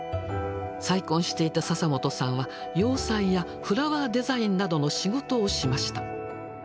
再婚していた笹本さんは洋裁やフラワーデザインなどの仕事をしました。